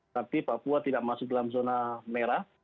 tapi papua tidak masuk dalam zona merah